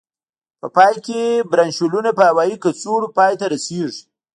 په پای کې برانشیولونه په هوایي کڅوړو پای ته رسيږي.